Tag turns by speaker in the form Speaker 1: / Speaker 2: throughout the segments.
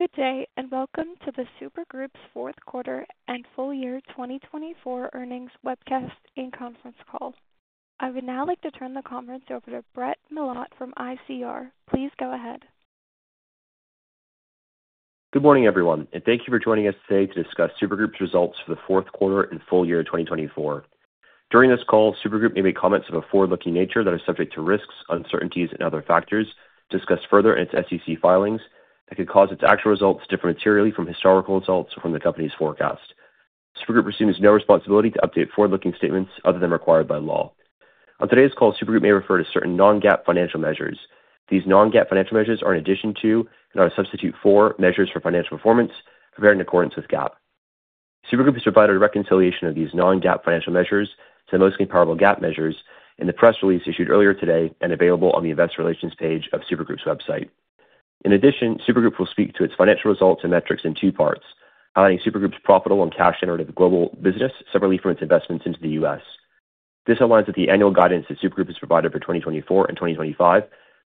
Speaker 1: Good day, and welcome to the Super Group's fourth quarter and full year 2024 earnings webcast and conference call. I would now like to turn the conference over to Brett Milotte from ICR. Please go ahead.
Speaker 2: Good morning, everyone, and thank you for joining us today to discuss Super Group's results for the fourth quarter and full year 2024. During this call, Super Group may make comments of a forward-looking nature that are subject to risks, uncertainties, and other factors discussed further in its SEC filings that could cause its actual results to differ materially from historical results or from the company's forecast. Super Group assumes no responsibility to update forward-looking statements other than required by law. On today's call, Super Group may refer to certain non-GAAP financial measures. These non-GAAP financial measures are an addition to, and are a substitute for, measures for financial performance prepared in accordance with GAAP. Super Group has provided a reconciliation of these non-GAAP financial measures to the most comparable GAAP measures in the press release issued earlier today and available on the Investor Relations page of Super Group's website. In addition, Super Group will speak to its financial results and metrics in two parts, highlighting Super Group's profitable and cash-generative global business separately from its investments into the U.S. This aligns with the annual guidance that Super Group has provided for 2024 and 2025,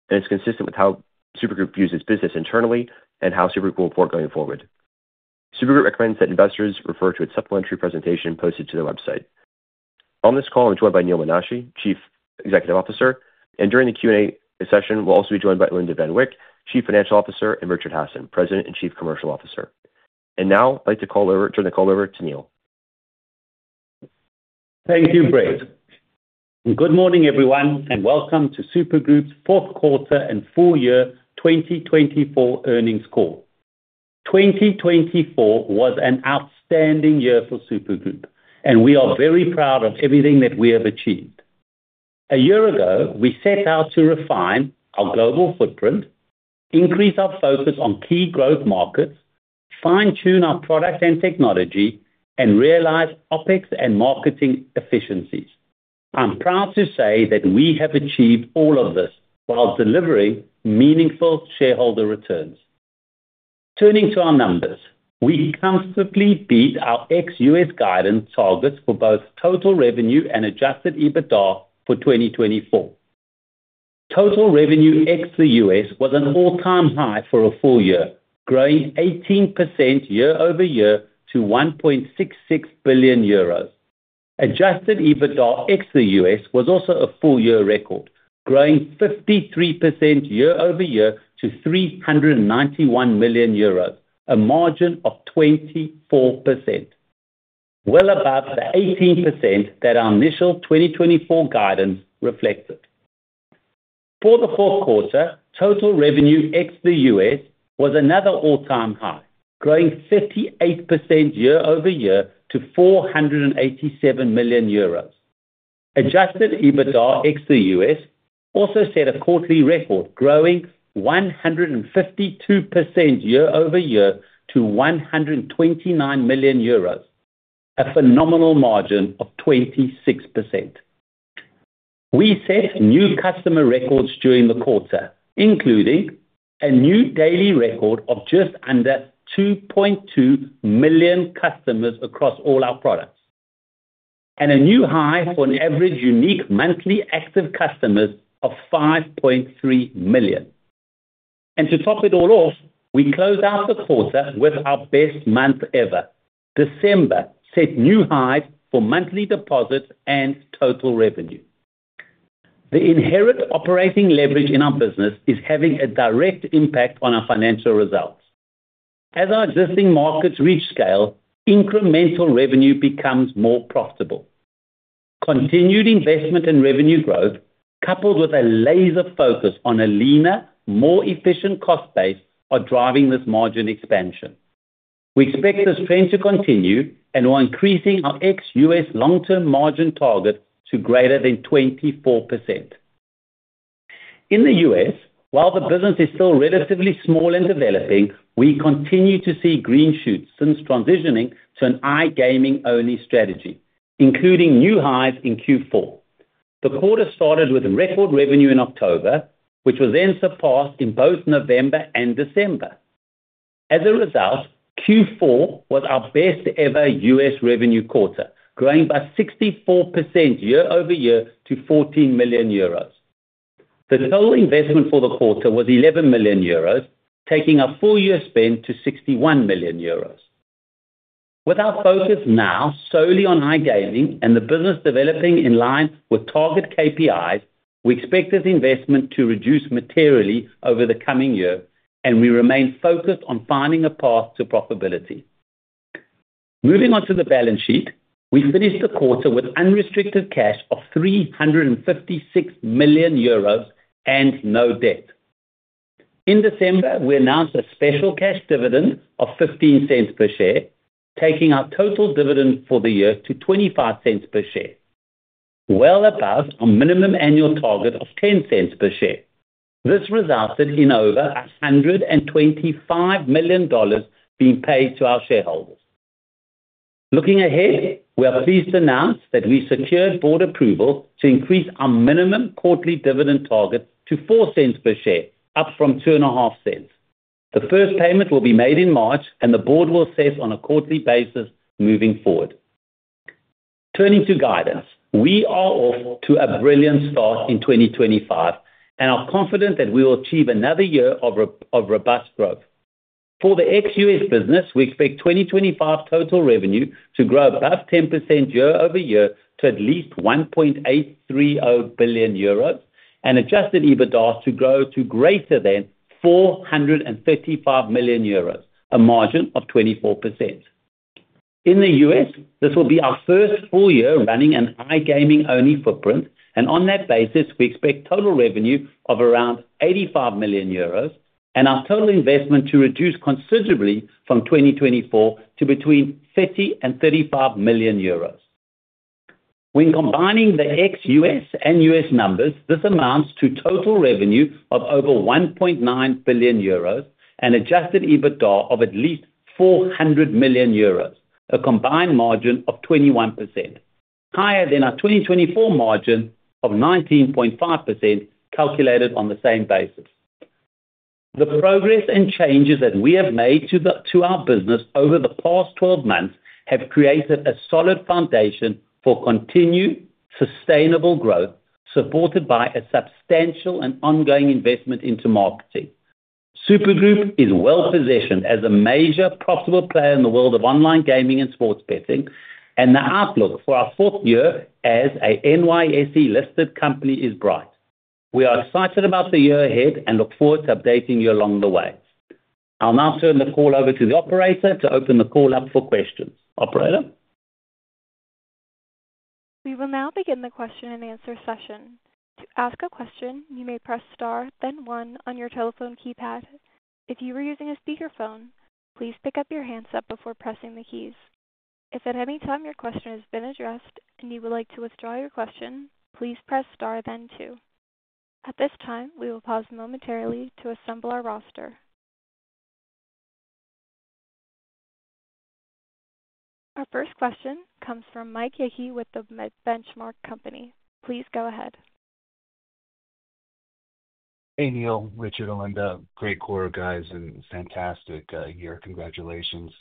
Speaker 2: and it's consistent with how Super Group views its business internally and how Super Group will report going forward. Super Group recommends that investors refer to its supplementary presentation posted to their website. On this call, I'm joined by Neal Menashe, Chief Executive Officer, and during the Q&A session, we'll also be joined by Alinda Van Wyk, Chief Financial Officer, and Richard Hasson, President and Chief Commercial Officer. And now, I'd like to turn the call over to Neal.
Speaker 3: Thank you, Brett. Good morning, everyone, and welcome to Super Group's fourth quarter and full year 2024 earnings call. 2024 was an outstanding year for Super Group, and we are very proud of everything that we have achieved. A year ago, we set out to refine our global footprint, increase our focus on key growth markets, fine-tune our product and technology, and realize OPEX and marketing efficiencies. I'm proud to say that we have achieved all of this while delivering meaningful shareholder returns. Turning to our numbers, we comfortably beat our ex-U.S. guidance targets for both total revenue and Adjusted EBITDA for 2024. Total revenue ex the U.S. was an all-time high for a full year, growing 18% year over year to 1.66 billion euros. Adjusted EBITDA ex the U.S. was also a full-year record, growing 53% year over year to 391 million euros, a margin of 24%, well above the 18% that our initial 2024 guidance reflected. For the fourth quarter, total revenue ex the U.S. was another all-time high, growing 38% year over year to 487 million euros. Adjusted EBITDA ex the U.S. also set a quarterly record, growing 152% year over year to 129 million euros, a phenomenal margin of 26%. We set new customer records during the quarter, including a new daily record of just under 2.2 million customers across all our products, and a new high for an average unique monthly active customer of 5.3 million, and to top it all off, we closed out the quarter with our best month ever. December set new highs for monthly deposits and total revenue. The inherent operating leverage in our business is having a direct impact on our financial results. As our existing markets reach scale, incremental revenue becomes more profitable. Continued investment and revenue growth, coupled with a laser focus on a leaner, more efficient cost base, are driving this margin expansion. We expect this trend to continue and are increasing our ex-U.S. long-term margin target to greater than 24%. In the U.S., while the business is still relatively small and developing, we continue to see green shoots since transitioning to an iGaming-only strategy, including new highs in Q4. The quarter started with record revenue in October, which was then surpassed in both November and December. As a result, Q4 was our best-ever U.S. revenue quarter, growing by 64% year over year to 14 million euros. The total investment for the quarter was 11 million euros, taking our full-year spend to 61 million euros. With our focus now solely on iGaming and the business developing in line with target KPIs, we expect this investment to reduce materially over the coming year, and we remain focused on finding a path to profitability. Moving on to the balance sheet, we finished the quarter with unrestricted cash of € 356 million and no debt. In December, we announced a special cash dividend of $0.15 per share, taking our total dividend for the year to $0.25 per share, well above our minimum annual target of $0.10 per share. This resulted in over $125 million being paid to our shareholders. Looking ahead, we are pleased to announce that we secured board approval to increase our minimum quarterly dividend target to $0.04 per share, up from $0.025. The first payment will be made in March, and the board will assess on a quarterly basis moving forward. Turning to guidance, we are off to a brilliant start in 2025, and are confident that we will achieve another year of robust growth. For the ex-U.S. business, we expect 2025 total revenue to grow above 10% year over year to at least €1.830 billion and Adjusted EBITDA to grow to greater than €435 million, a margin of 24%. In the U.S., this will be our first full year running an iGaming-only footprint, and on that basis, we expect total revenue of around €85 million and our total investment to reduce considerably from 2024 to between €30 and €35 million. When combining the ex-U.S. and U.S. numbers, this amounts to total revenue of over €1.9 billion and Adjusted EBITDA of at least €400 million, a combined margin of 21%, higher than our 2024 margin of 19.5% calculated on the same basis. The progress and changes that we have made to our business over the past 12 months have created a solid foundation for continued sustainable growth, supported by a substantial and ongoing investment into marketing. Super Group is well-positioned as a major profitable player in the world of online gaming and sports betting, and the outlook for our fourth year as a NYSE-listed company is bright. We are excited about the year ahead and look forward to updating you along the way. I'll now turn the call over to the operator to open the call up for questions. Operator.
Speaker 1: We will now begin the question and answer session. To ask a question, you may press star, then one on your telephone keypad. If you are using a speakerphone, please pick up the handset before pressing the keys. If at any time your question has been addressed and you would like to withdraw your question, please press star, then two. At this time, we will pause momentarily to assemble our roster. Our first question comes from Mike Hickey with The Benchmark Company. Please go ahead.
Speaker 4: Hey, Neal, Richard, Alinda, great quarter, guys, and fantastic year. Congratulations.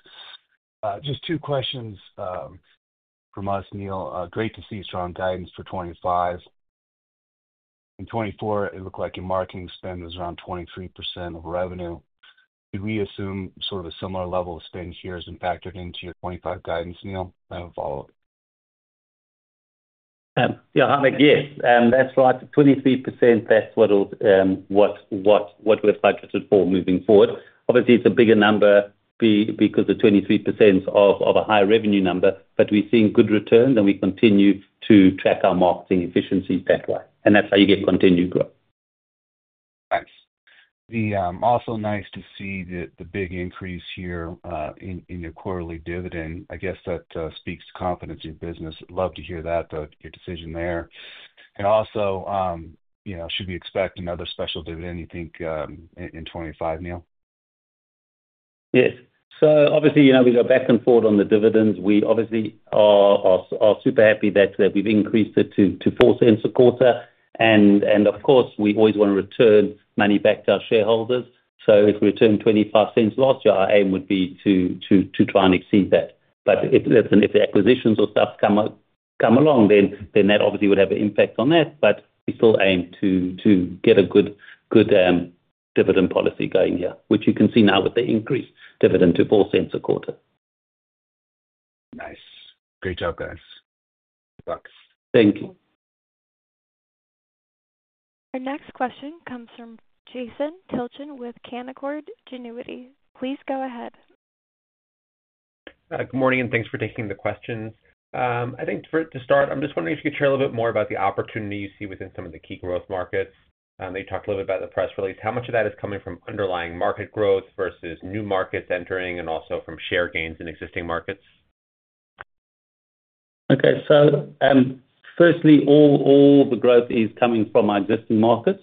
Speaker 4: Just two questions from us, Neal. Great to see strong guidance for 2025. In 2024, it looked like your marketing spend was around 23% of revenue. Do we assume sort of a similar level of spend here has been factored into your 2025 guidance, Neal? I have a follow-up.
Speaker 3: Yeah, that's a guess. That's right. 23%, that's what we've budgeted for moving forward. Obviously, it's a bigger number because of 23% of a high revenue number, but we've seen good returns, and we continue to track our marketing efficiencies that way, and that's how you get continued growth.
Speaker 4: Thanks. Also, nice to see the big increase here in your quarterly dividend. I guess that speaks to confidence in your business. Love to hear that, your decision there. And also, should we expect another special dividend, you think, in 2025, Neal?
Speaker 3: Yes. So obviously, we go back and forth on the dividends. We obviously are super happy that we've increased it to $0.04 a quarter. And of course, we always want to return money back to our shareholders. So if we returned $0.25 last year, our aim would be to try and exceed that. But if the acquisitions or stuff come along, then that obviously would have an impact on that. But we still aim to get a good dividend policy going here, which you can see now with the increased dividend to $0.04 a quarter.
Speaker 4: Nice. Great job, guys. Bucks.
Speaker 3: Thank you.
Speaker 1: Our next question comes from Jason Tilton with Canaccord Genuity. Please go ahead.
Speaker 4: Good morning, and thanks for taking the questions. I think to start, I'm just wondering if you could share a little bit more about the opportunity you see within some of the key growth markets. They talked a little bit about the press release. How much of that is coming from underlying market growth versus new markets entering and also from share gains in existing markets?
Speaker 3: Okay. So firstly, all the growth is coming from our existing markets.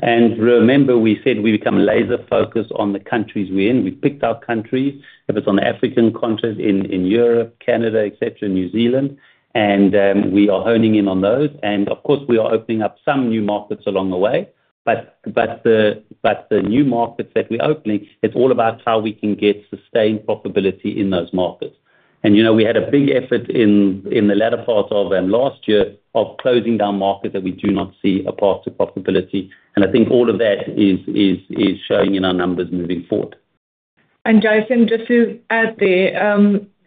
Speaker 3: And remember, we said we become laser-focused on the countries we're in. We picked our countries, if it's on the African continent, in Europe, Canada, etc., New Zealand, and we are honing in on those. And of course, we are opening up some new markets along the way. But the new markets that we're opening, it's all about how we can get sustained profitability in those markets. And we had a big effort in the latter part of last year of closing down markets that we do not see a path to profitability. And I think all of that is showing in our numbers moving forward.
Speaker 5: And Jason, just to add there,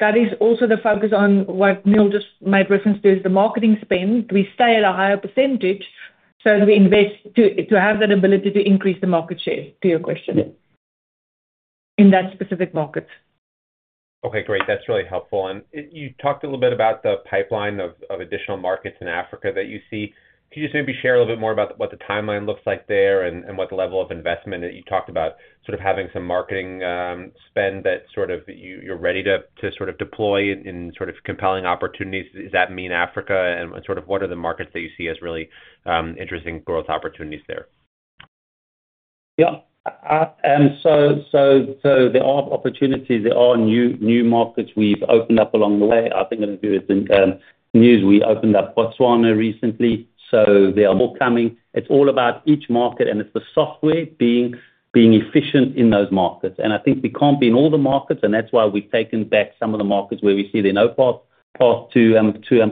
Speaker 5: that is also the focus on what Neal just made reference to, is the marketing spend. We stay at a higher percentage, so we invest to have that ability to increase the market share, to your question, in that specific market.
Speaker 4: Okay, great. That's really helpful. And you talked a little bit about the pipeline of additional markets in Africa that you see. Could you just maybe share a little bit more about what the timeline looks like there and what the level of investment that you talked about, sort of having some marketing spend that sort of you're ready to sort of deploy in sort of compelling opportunities? Does that mean Africa? And sort of what are the markets that you see as really interesting growth opportunities there?
Speaker 3: Yeah. So there are opportunities. There are new markets we've opened up along the way. I think of it as news. We opened up Botswana recently. So there are more coming. It's all about each market, and it's the software being efficient in those markets. And I think we can't be in all the markets, and that's why we've taken back some of the markets where we see they're no path to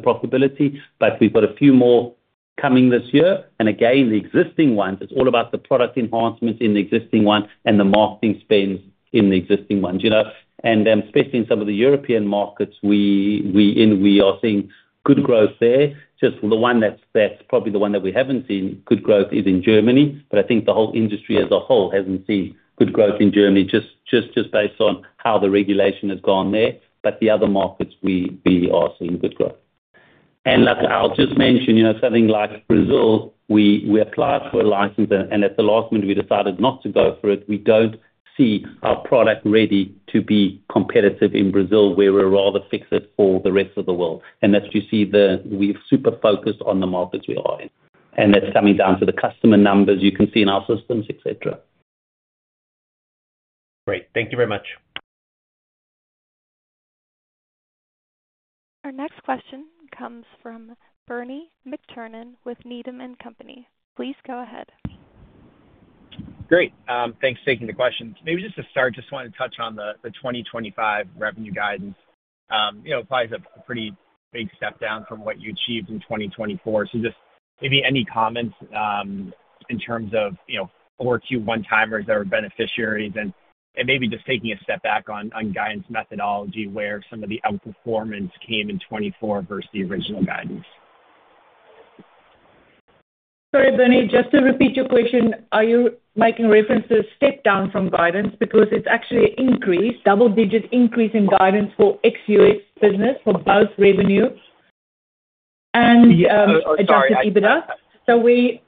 Speaker 3: profitability. But we've got a few more coming this year. And again, the existing ones, it's all about the product enhancements in the existing ones and the marketing spends in the existing ones. And especially in some of the European markets we're in, we are seeing good growth there. Just the one that's probably the one that we haven't seen good growth is in Germany, but I think the whole industry as a whole hasn't seen good growth in Germany, just based on how the regulation has gone there. But the other markets, we are seeing good growth. And I'll just mention something like Brazil. We applied for a license, and at the last minute, we decided not to go for it. We don't see our product ready to be competitive in Brazil, where we're rather fixed for the rest of the world. And that's what you see. We're super focused on the markets we are in. And that's coming down to the customer numbers you can see in our systems, etc.
Speaker 4: Great. Thank you very much.
Speaker 1: Our next question comes from Bernie McTernan with Needham & Company. Please go ahead.
Speaker 4: Great. Thanks for taking the questions. Maybe just to start, just wanted to touch on the 2025 revenue guidance. It implies a pretty big step down from what you achieved in 2024. So just maybe any comments in terms of the two one-timers that were beneficiaries and maybe just taking a step back on guidance methodology, where some of the outperformance came in 2024 versus the original guidance.
Speaker 5: Sorry, Bernie, just to repeat your question, are you making reference to step down from guidance because it's actually an increase, double-digit increase in guidance for ex-U.S. business for both revenue and Adjusted EBITDA? So we.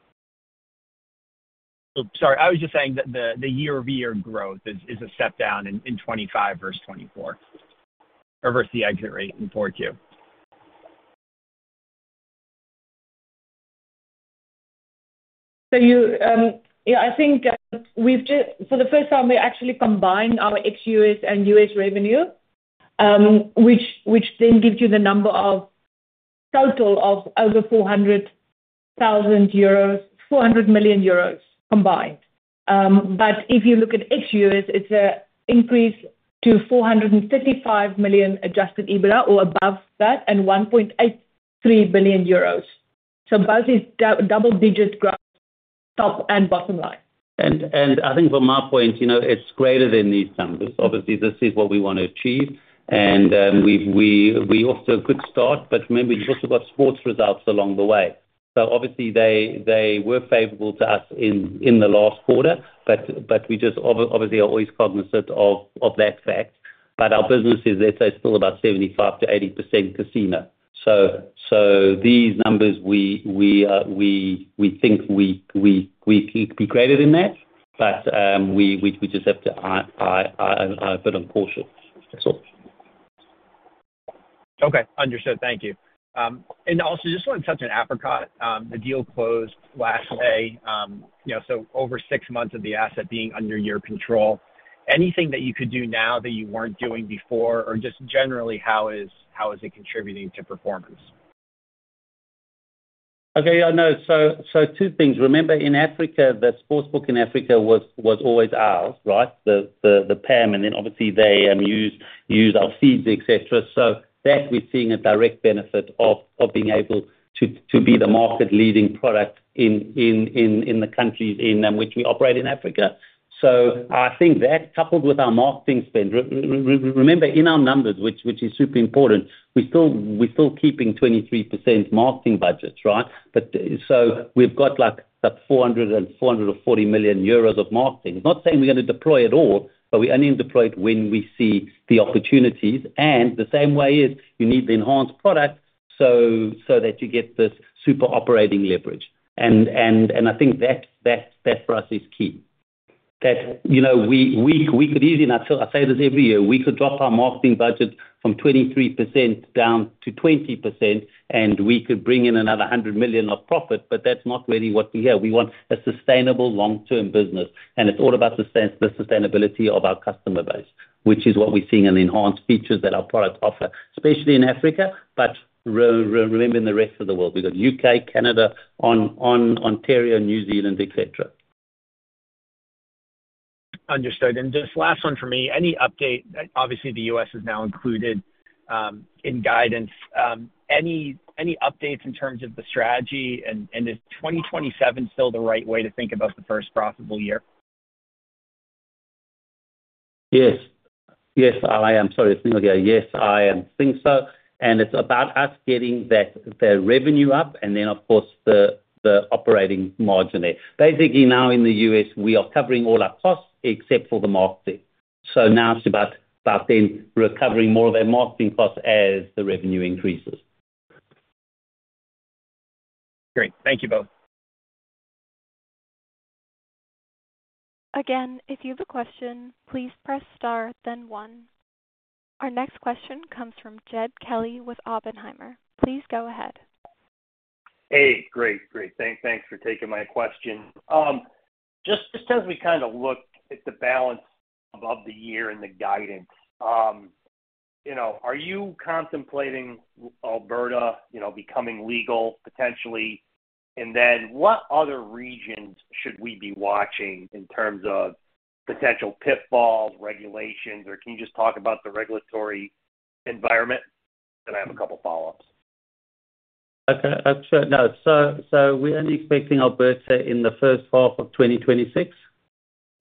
Speaker 6: Sorry, I was just saying that the year-over-year growth is a step down in 2025 versus 2024 versus the exit rate in Q4.
Speaker 5: So yeah, I think for the first time, we actually combined our ex-U.S. and U.S. revenue, which then gives you the number of total of over € 400 million combined. But if you look at ex-U.S., it's an increase to € 455 million adjusted EBITDA or above that and € 1.83 billion. So both these double-digit growth, top and bottom line.
Speaker 3: I think from our point, it's greater than these numbers. Obviously, this is what we want to achieve. We off to a good start, but remember, you've also got sports results along the way. Obviously, they were favorable to us in the last quarter, but we just obviously are always cognizant of that fact. Our business is, let's say, still about 75%-80% casino. These numbers, we think we can be greater than that, but we just have to be a bit cautious.
Speaker 4: Okay. Understood. Thank you. And also, just want to touch on Africa. The deal closed last May, so over six months of the asset being under your control. Anything that you could do now that you weren't doing before? Or just generally, how is it contributing to performance?
Speaker 3: Okay. So two things. Remember, in Africa, the sportsbook in Africa was always ours, right? The PEM, and then obviously, they use our feeds, etc. So that we're seeing a direct benefit of being able to be the market-leading product in the countries in which we operate in Africa. So I think that coupled with our marketing spend, remember, in our numbers, which is super important, we're still keeping 23% marketing budgets, right? So we've got like €440 million of marketing. It's not saying we're going to deploy it all, but we only deploy it when we see the opportunities. And the same way, you need the enhanced product so that you get this super operating leverage. And I think that for us is key. We could easily, I say this every year, we could drop our marketing budget from 23% down to 20%, and we could bring in another 100 million of profit, but that's not really what we have. We want a sustainable long-term business. And it's all about the sustainability of our customer base, which is what we're seeing in the enhanced features that our products offer, especially in Africa, but remember in the rest of the world. We've got the UK, Canada, Ontario, New Zealand, etc.
Speaker 4: Understood, and just last one for me. Obviously, the U.S. is now included in guidance. Any updates in terms of the strategy? And is 2027 still the right way to think about the first profitable year?
Speaker 3: Yes. Yes, I am. Sorry, it's Neal here. Yes, I think so and it's about us getting the revenue up and then, of course, the operating margin there. Basically, now in the U.S., we are covering all our costs except for the marketing, so now it's about then recovering more of their marketing costs as the revenue increases.
Speaker 4: Great. Thank you both.
Speaker 1: Again, if you have a question, please press star, then one. Our next question comes from Jed Kelly with Oppenheimer. Please go ahead.
Speaker 7: Hey. Great, great. Thanks for taking my question. Just as we kind of look at the balance of the year and the guidance, are you contemplating Alberta becoming legal potentially? And then what other regions should we be watching in terms of potential pitfalls, regulations? Or can you just talk about the regulatory environment? And I have a couple of follow-ups.
Speaker 3: Okay. So we're only expecting Alberta in the first half of 2026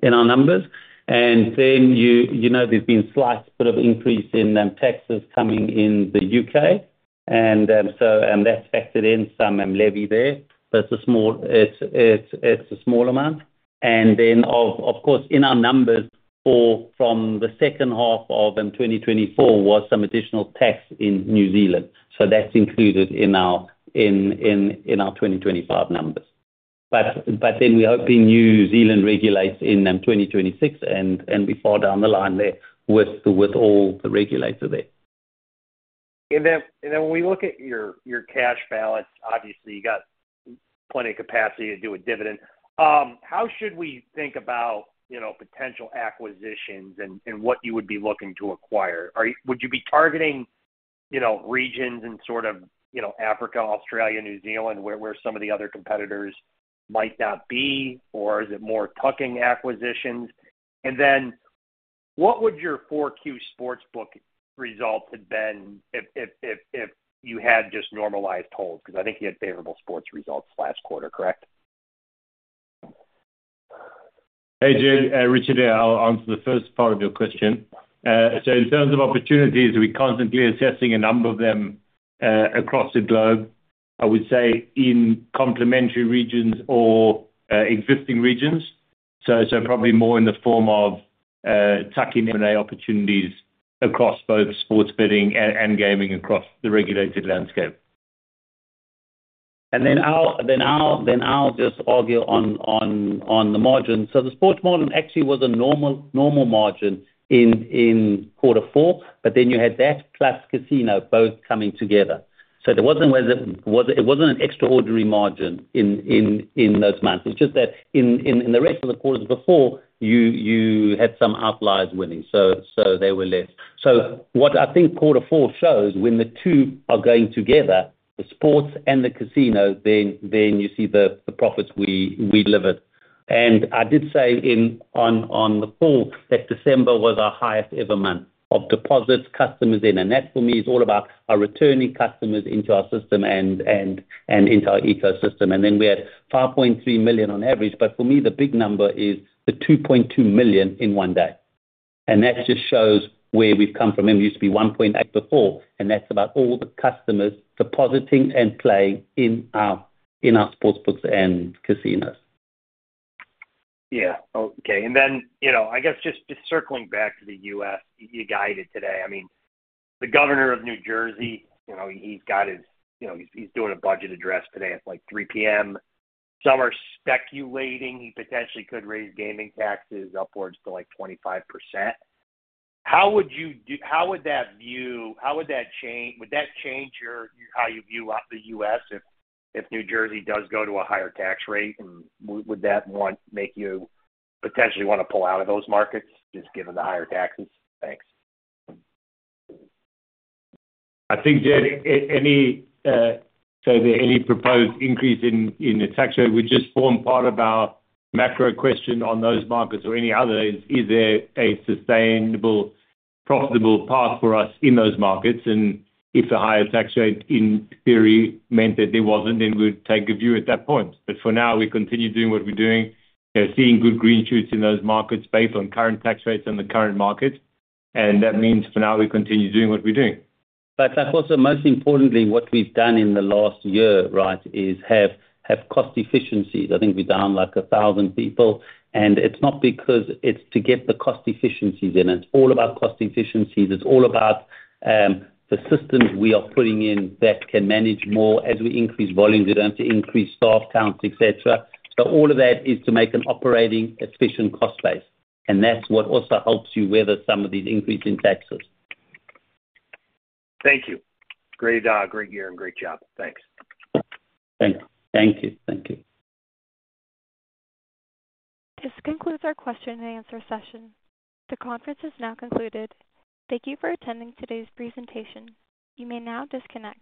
Speaker 3: in our numbers. And then there's been a slight bit of increase in taxes coming in the U.K. And that's factored in some levy there, but it's a small amount. And then, of course, in our numbers from the second half of 2024 was some additional tax in New Zealand. So that's included in our 2025 numbers. But then we're hoping New Zealand regulates in 2026, and we fall down the line there with all the regulators there.
Speaker 7: And then when we look at your cash balance, obviously, you've got plenty of capacity to do a dividend. How should we think about potential acquisitions and what you would be looking to acquire? Would you be targeting regions in sort of Africa, Australia, New Zealand, where some of the other competitors might not be? Or is it more tuck-in acquisitions? And then what would your 4Q sportsbook result have been if you had just normalized holds? Because I think you had favorable sports results last quarter, correct?
Speaker 8: Hey, Jed. Richard here. I'll answer the first part of your question. So in terms of opportunities, we're constantly assessing a number of them across the globe, I would say, in complementary regions or existing regions. So probably more in the form of tuck-in M&A opportunities across both sports betting and gaming across the regulated landscape.
Speaker 3: And then I'll just argue on the margin. So the sports margin actually was a normal margin in quarter four, but then you had that plus casino both coming together. So it wasn't an extraordinary margin in those months. It's just that in the rest of the quarters before, you had some outliers winning, so they were less. So what I think quarter four shows, when the two are going together, the sports and the casino, then you see the profits we delivered. And I did say on the fourth that December was our highest ever month of deposits, customers in. And that for me is all about our returning customers into our system and into our ecosystem. And then we had 5.3 million on average. But for me, the big number is the 2.2 million in one day. And that just shows where we've come from. It used to be 1.8 before, and that's about all the customers depositing and playing in our sports books and casinos.
Speaker 7: Yeah. Okay. And then I guess just circling back to the U.S., you guided today. I mean, the governor of New Jersey, he's doing a budget address today at like 3:00 P.M. Some are speculating he potentially could raise gaming taxes upwards to like 25%. How would that view? How would that change? Would that change how you view the U.S. if New Jersey does go to a higher tax rate? And would that make you potentially want to pull out of those markets just given the higher taxes? Thanks.
Speaker 8: I think, Jed, so any proposed increase in the tax rate would just form part of our macro question on those markets or any other. Is there a sustainable, profitable path for us in those markets? And if the higher tax rate, in theory, meant that there wasn't, then we'd take a view at that point. But for now, we continue doing what we're doing, seeing good green shoots in those markets based on current tax rates and the current markets. And that means for now, we continue doing what we're doing.
Speaker 3: But of course, most importantly, what we've done in the last year, right, is have cost efficiencies. I think we're down like 1,000 people. And it's not because it's to get the cost efficiencies in. It's all about cost efficiencies. It's all about the systems we are putting in that can manage more as we increase volumes, as we increase staff counts, etc. So all of that is to make an operating efficient cost base. And that's what also helps you weather some of these increasing taxes.
Speaker 7: Thank you. Great year and great job. Thanks.
Speaker 3: Thank you. Thank you.
Speaker 1: This concludes our question and answer session. The conference has now concluded. Thank you for attending today's presentation. You may now disconnect.